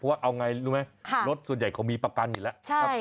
ว่าเอาไงรู้ไหมรถส่วนใหญ่เขามีประกันอยู่แล้ว